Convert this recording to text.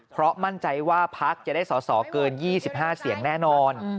เพราะมั่นใจว่าพักจะได้สอสอเกิน๒๕เสียงแน่นอน